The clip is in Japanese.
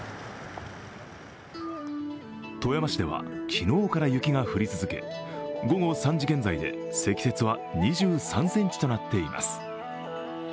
富山市では昨日から雪が降り続け、午後３時現在で積雪は２３ｃｍとなっています。